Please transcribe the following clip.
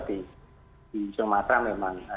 di sumatera memang